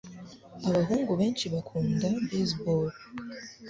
abahungu benshi bakunda baseball